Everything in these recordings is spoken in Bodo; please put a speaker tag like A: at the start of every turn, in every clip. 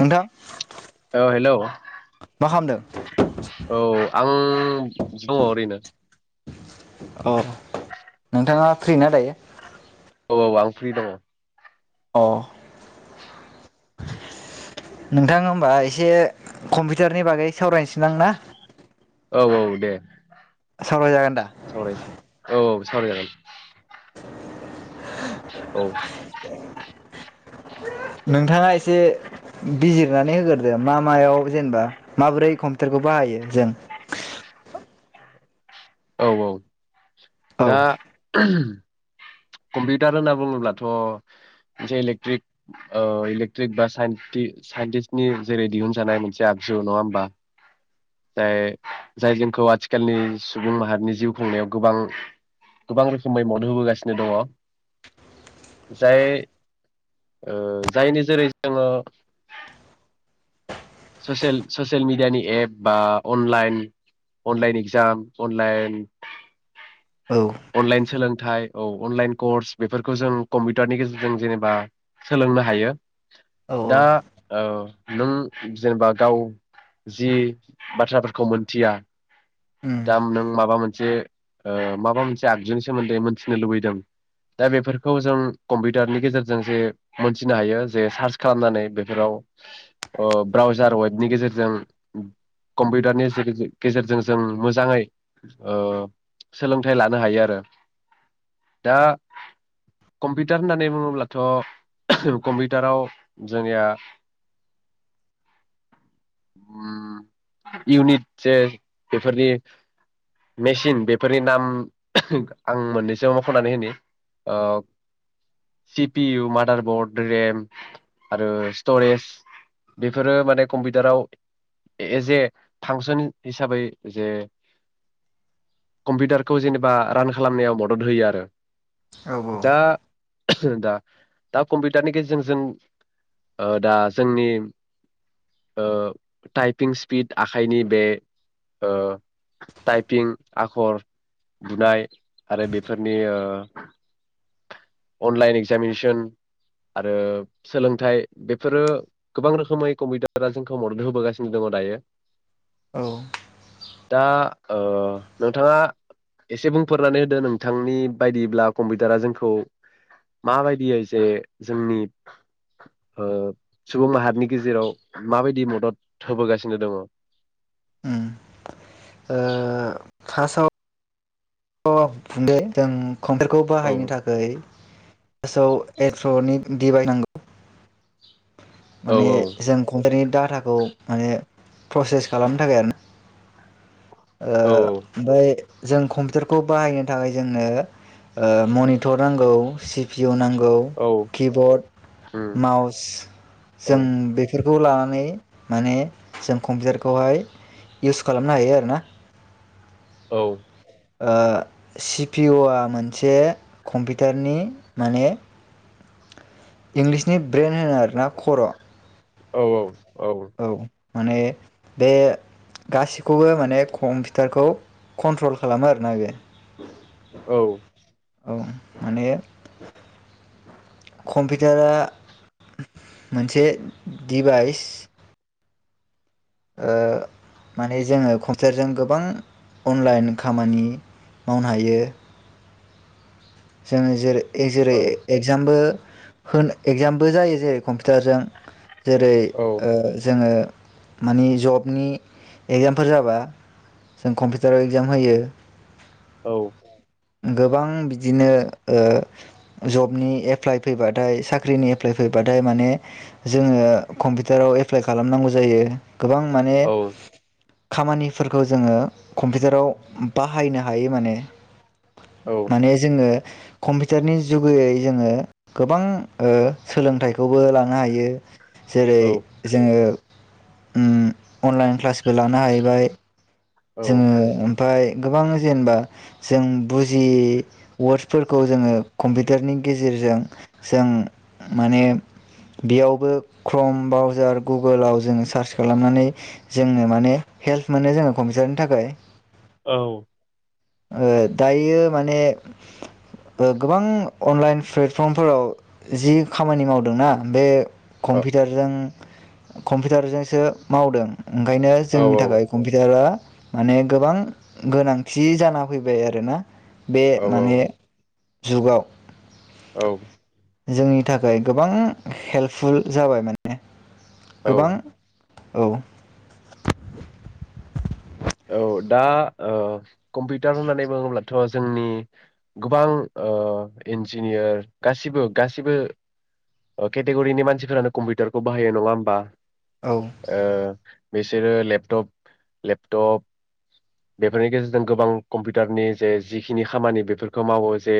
A: नोंथां
B: औ हेलौ
A: मा खामदो।
B: औ आं दङ ओरैनो।
A: अ नोंथाङा फ्रि ना दायो।
B: औ औ आं फ्रि दङ।
A: अ'ह। नोंथाङा होमबा एसे कम्पिउटारनि बागै सावरायनोसै लां ना।
B: औ औ दे
A: सावरायजागोन दा
B: सावरायनसै औ औ। सावरायजागोन औ।
A: नोंथाङा एसे बिजिरनानै होग्रोदो, मा मायाव जेनेबा माबोरै कम्पिउटारखौ बाहायो जों?
B: औ औ।
A: औ
B: दा [unintelligible] कम्पिउटार होनना बुङोब्लाथ मोनसे इलेक्ट्रिक ओ इलेक्ट्रिक बा साइन्टि-साइन्टिस्टनि जेरै दिहुनजानाय मोनसे आगजु नङा होमबा? जाय जाय जोंखौ आथिखालनि सुबुं माहारिनि जिउ खुंनायाव गोबां गोबां रोखोमै मद होबोगासिनो दङ जाय ओ जायनि जोरै जोङो ससियेल-ससियेल मिडियानि एप बा अनलायन-अनलायन एक्जाम
A: औ
B: अनलायन-अनलायन सोलोंथाइ औ अनलायन कर्स बेफोरखौ जों कम्पिउटारनि गेजेरजों जेनेबा सोलोंनो हायो
A: औ
B: दा ओ नों जेनेबा गाव जि बाथ्राफोरखौ मोनथिया
A: उम
B: दाम नों माबा मोनसे ओ माबा मोनसे आगजुनि सोमोन्दै मोनथिनो लुबैदों दा बेफोरखौ जों कम्पिउटारनि गेजेरजों जे मोनथिनो हायो जे सार्च खालामनानै बेफोराव। ओ ब्राउजार वेबनि गेजेरजों कम्पिउटारनि गेजेरजों जों मोजाङै ओ सोलोंथाइ लानो हायो आरो दा कम्पिउटार होननानै बुङोब्लाथ' कम्पिउटाराव जोंनिया उम इउनिट जे बेफोरनि मेचिन बेफोरनि नाम आं मोननैसो मखनानै होनि C P U, motherboard, RAM, आरो
A: औ
B: स्टरेज। बेफोरो माने कम्पिउटाराव एजे फांसन हिसाबै जे कम्पिउटारखौ जेनेबा रान खालामनायाव मदद होयो आरो।
A: औ
B: दा [unintelligible] दा दा कम्पिउटारनि गेजेरजों जों ओ दा जोंनि ओ टाइपिं स्पिड आखाइनि बे ओ टाइपिं आखर बुनाय आरो बेफोरनि ओ अनलाइन एक्जामिनेसन आरो सोलोंथाइ बेफोरो गोबां रोखोमै कम्पिउटारा जोंखौ मदद होबोगासिनो दङ दायो।
A: औ
B: दा ओ नोंथाङा एसे बुंफोरनानै होदो नोंथांनि बायदिब्ला कम्पिउटारा जोंखौ माबायदियै जे जोंनि ओ सुबुं माहारिनि गेजेराव माबायदि म दद होबोगासिनो दङ।
A: उम ओ फासआव अ [unintelligible] ओं कम्पिटारखौ बाहायनो थाखैय फासआव एट्रनिक डिभाइ नांगौ
B: औ
A: माने जों [unintelligible] डाटाखौ माने प्रसेस खालामनो थाखाय आरो ना ओ
B: औ
A: ओमफाय जों कम्पिउटारखौ बाहायनो थाखाय जोंनो ओ मनिटर नांगौ सि पि अ नांगौ। औ किबर्ड
B: उम
A: माउस
B: औ
A: जों बेफोर खौ लानानै माने जों कम्पिउटारखौहाय इउस खालामनो हायो आरो ना
B: औ।
A: ओ सि पि उ आ मोनसे कम्पिउटारनि माने इंलिसनि ब्रेन्ड होनो आरोना खर'
B: औ औ
A: औ। माने बे गासिखौबो माने कम्पिउटारखौ कन्ट्रल खालामो आरोना बे।
B: औ।
A: औ माने कम्पिउटारा मोनसे दिभाइस। ओ माने जोङो कम्फिटारजों गोबां जोङो जेरै ए जेरै
B: औ
A: एगजामबो होन एक्जामबो जायो जे कम्फि थोजों जेरै
B: औ
A: ओ जोङो माने जबनि एगजामफोर जाबा जों कम्पिउटाराव एग्जाम होयो
B: औ।
A: गोबां बिदिनो ओ जबनि एप्लाइ फैबाथाय साख्रिनि एप्लाइ फैबाथाय माने जोङो कम्पिउटाराव एप्लाइ खालामनांगौ जायो। गोबां माने
B: औ
A: खामानिफोरखौ जोङो कम्पिउटाराव बाहायनो हायो माने माने जोङो कम्पिउटारनि जुगेयै जोङो गोबां ओ सोलोंथाइखौबो लानो हायो जेरै
B: औ
A: जोङो ओम अनलाइन क्लासबो लानो हाहैबाय
B: औ
A: जोङो ओमफाय गोबां जेनेबा जों बुजियै वर्डसफोरखौ जोङो कम्पिउटारनि गेजेरजों जों माने बेयावबो क्रम बाउजार गुगोलाव जोंङ सार्च खालामनानै जोंनो माने हेल्प मोनो जोङो। हमजानो थाखाय
B: औ।
A: ओ दायो माने गोबां अनलाइन प्लेटफर्मफोराव जि खामानि मावदोंना बे कम्पिउटारजों कम्पिउटारजोंसो मावदों। ओंखायनो जोंनि थाखाय कम्पिउटारा माने गोबां गोनांथि जा फैबाय आरो ना। बे
B: औ
A: माने जुगाव
B: औ।
A: जोंनि थाखाय गोबां हेल्पफुल जाबाय माने। गोबां औ।
B: औ दा ओ कम्पिउटार होननानै बुङोब्ला थ' जोंनि गोबां ओ इन्जिनियार गासिबो गासिबो केटेगरिनि मानसिफोरानो कम्पिउटारखौ बाहायो नङा होमबा?
A: औ
B: ओ बिसोरो लेपटप लेप टप बेफोरनि गेजेरजों गोबां कम्पिउटारनि जे जिखिनि खामानि बेफोरखौ मावो जे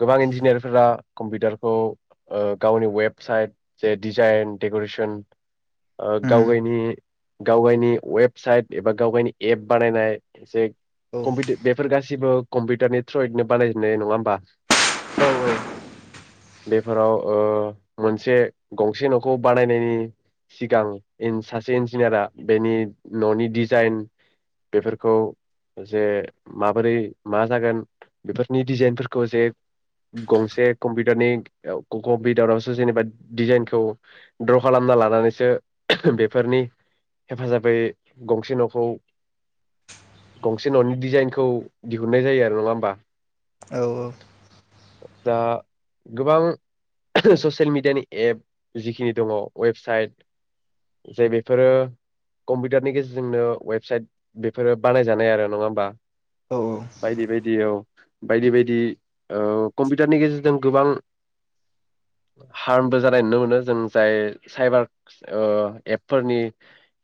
B: गोबां इन्जिनियारफोरा कम्पिउटारखौ ओ गावनि वेबसाइट जे डिजाइन डेक'रेसन ओ
A: उम
B: गावगायनि गावगायनि वेबसाइट एबा गावगायनि एप बानायनाय जे
A: औ
B: कम्पिट बेफोर गासिबो कम्पिउटारनि थ्रयैनो बानायजेननाय नङा होमबा?
A: औ औ।
B: बेफोराव ओ मोनसे गंसे न'खौ बानायनायनि सिगां सासे इन्जिनियारा बेनि न'नि डि जाइन बेफोरखौ जे माबोरै मा जागोन बेफोरनि डिजाइनफोरखौ जे गंसे कम्पिउटारनि ओव कम्पिउटारावसो जेनेबा डिजाइनखौ द्र' खालामना लानानैसो बेफोरनि हेफाजाबै गं से न'खौ गंसे न'नि डिजाइनखौ दिहुननाय जायो आरो नङा होमबा?
A: औ औ।
B: आ गोबां ससियेल मिडियानि एप जिखिनि दङ वेबसाइट जे बेफोरो कम्पिउटारनि गेजेर जोंनो वेबसाइट बेफोरो बानायजानाय आरो नङा होमबा।
A: औ
B: बायदि बायदि औ। बायदि बायदि ओ कम्पिउटारनि गेजेरजों गोबां हार्मबो जानाय नुनो मोनो जों जाय साइबार ओ एपफोरनि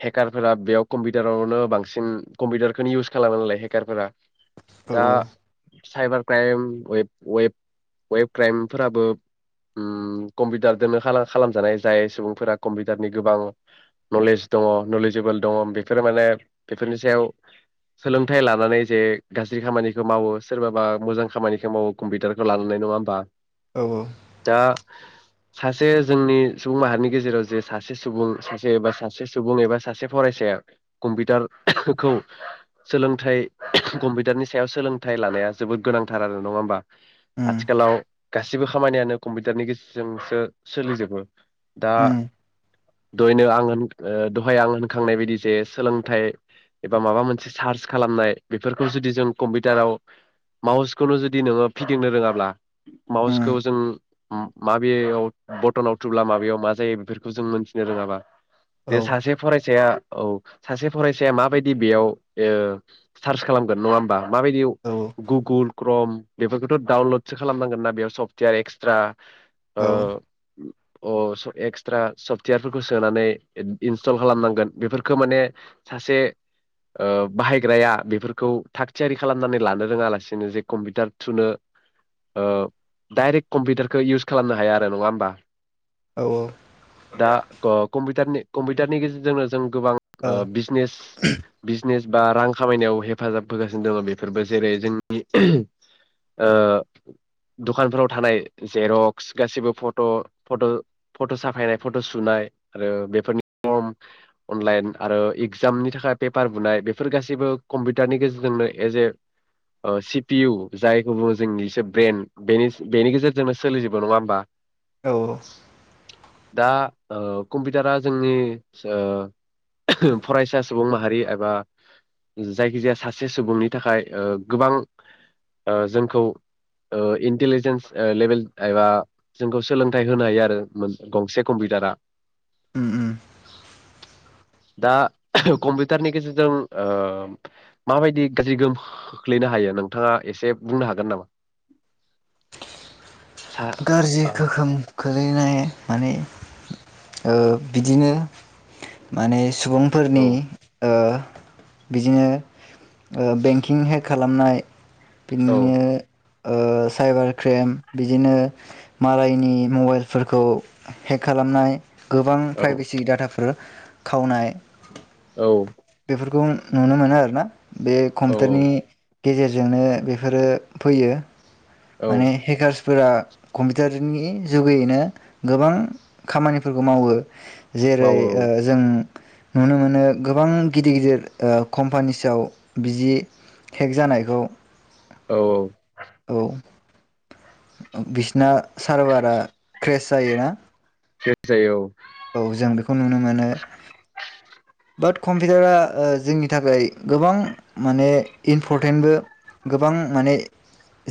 B: हेकारफोरा बेयाव कम्पिउटारावनो बांसिन कम्पिउटारखौनो इउस खालामो नालाय हेकारफोरा
A: औ
B: दा
A: औ।
B: साइबार क्राइम वेब-वेब-वेबक्राइमफोराबो कम्पिउटारदनो खाला-खालामजानाय जाय सुबुंफोरा कम्पिउटारनि गोबां नलेज दङ नलेजेबोल दङ। बे बेफोरो माने बेफोरनि सायाव सोलोंथाइ लानानै जे गाज्रि खामानिखौ मावो सोरबाबा मोजां खामानिखौ मावो कम्पिउटारखौ लानानै नङा होमबा?
A: औ औ
B: दा सासे जोंनि सुबुं माहारिनि गेजेराव जे सासे सुबुं सासे एबा सासे सुबुं एबा सासे फरायसाया कम्पिउटारखौ सोलोंथाइ कम्पिउटारनि सायाव सोलोंथाइ लानाया जोबोद गोनांथार आरो नङा होमबा।
A: उम
B: आथिखालाव गासिबो खामानियानो कम्पिउटारनि गेजेरजोंसो सोलिजोबो। दा
A: उम
B: दहायनो आं होन ओ दहाय आं होनखांनाय बायदि जे सोलोंथाइ एबा माबा मोनसे सार्च खालामनाय बेफोरखौ जुदि जों कम्पिउटाराव माउसखौनो जुदि नोङो फिदिंनो रोङाब्ला
A: उम
B: माउसखौ जों माबेयाव बटनाव थुब्ला माबेयाव मा जायो बेफोरखौ जों मोनथिनो रोङाबा
A: औ
B: बेे सासे फरायसाया औ सासे फरायसाया माबायदि बेयाव ओ सार्च खालामगोन नङा होमबा? माबायदियाव
A: औ
B: गुगुल क्रम बेफोरखौथ' डाउनलडसो खालामनांगोन ना बेयाव सफ्टवेर एक्सट्रा
A: औ।
B: ओ अ एक्सट्रा सफ्टवेरफोरखौ सोनानै इनस्टल खालामनांगोन बेफोरखौ माने सासे ओ बाहायग्राया बेफोरखौ थाग थियारि खालामनानै लानो रोङा लासिनो जे कम्पिउटार थुनो ओ डायरेक्ट कम्पिउटारखौ इउस खालामनो हाया आरो नङा होमबा?
A: औ
B: दा क-कम्पिउटारनि कम्पिउटारनि गेजेरजोंनो जों गोबां ओ बिजनेस बिजनेस बा रां खामायनायाव हेफाजाब होगासिनो दङ' बेफोरबो जेरै जोंनि ओ दखानफोराव थानाय जेरक्स गासिबो फट' फट' फट' साफायनाय फट' सुनाय आरो बेफोरनि फर्म अनलाइन आरो इगजामनि थाखाय पेपार बुनाय बेफोर गासैबो कम्पिउटारनि गेजेरजोंनो एस ए ओ सि पि इउ जायखौ बुङो जोंनिसो ब्रेन बेनि बेनि गेजेरजोंनो सोलिजोबो नङा होमबा
A: औ
B: दा ओ कम्पिउटारा जोंनि जो [unintelligible] फरायसा सुबुं माहारि एबा जायखिजाया सासे सुबुंनि थाखाय ओ गोबां ओ जोंखौ इन्टिलिजेन्स ओ लेभेल एबा जोंखौ सोलोंथाइ होनो हायो आरो गंसे कम्पिउटारा
A: उम उम।
B: दा कम्पिउटारनि गेजेरजों ओ माबायदि गाज्रि गोहोम खोख्लैनो हायो नोंथाङा एसे बुंनो हागोन नामा सा
A: गाज्रि
B: औ
A: गोहोम खोलैनाय। माने ओ बिदिनो माने
B: औ
A: सुबुंफोरनि ओ बिजिनो ओ बेंकिं हेक खालामनाय।
B: औ
A: बिननो ओ साइबार क्रेम बिदिनो मालायनि मबाइलफोरखौ हेक खालामनाय गोबां
B: औ
A: प्राइभेसि डाटाफोर खावनाय
B: औ।
A: बेफोरखौ नुनो मोनो आरो ना बे
B: औ
A: कम्पिउटारनि गेजेरजोंनो बेफोरो फैयो
B: औ
A: माने हेकारस फोरा कम्पिउटारनि जुगैयैनो गोबां खामानिफोरखौ मावो। जेरै
B: मावो
A: ओ जों नुनो मोनो गोबां गिदिर गिदिर ओ कम्पानिसआव बिजि हेक जानायखौ
B: औ
A: औ। बिसिना सारभारा क्रेस जायोना
B: क्रेस जायो औ।
A: औ जों बेखौ नुनो मोनो बाट कम्पिउटारा जोंनि थाखाय गोबां माने इम्परटेन्टबो गोबां माने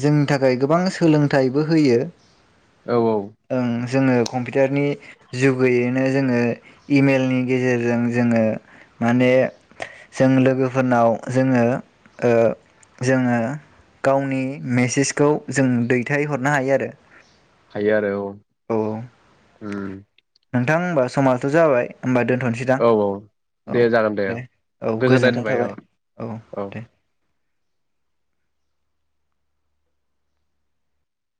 A: जोंनि थाखाय गोबां सोलोंथाइबो होयो
B: औ औ
A: ओं जोङो कम्पिउटारनि जुगैयैनो जोङो इमेलनि गेजेरजों जोङो माने जों लोगोफोरनाव जोङो ओ जोङो गावनि मेसेजखौ जों दैथायहरनो हायो आरो
B: हायो आरो औ।
A: नोंथां होमबा समाथ जाबाय ओमबा दोन
B: औ औ दे जागोन दे गोजोननाय थाबाय औ औ